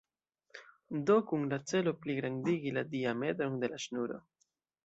Do kun la celo pligrandigi la diametron de la ŝnuro.